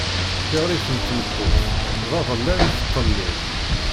Tiɣrit n tmeṭṭut, d aḍellel i teṭṭellil.